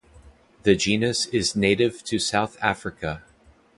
The genus is native to South Africa.